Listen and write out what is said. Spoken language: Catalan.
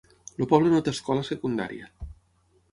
El poble no té escola secundària.